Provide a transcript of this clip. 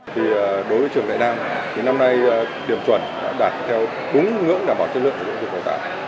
đối với trường đại nam thì năm nay điểm chuẩn đã đạt theo đúng ngưỡng đảm bảo chất lượng của dụng dụng cầu tạo